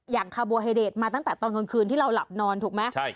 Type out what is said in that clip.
อย่างคาร์โบไฮเดรตมาตั้งแต่ตอนกลางคืนที่เราหลับนอนถูกไหมใช่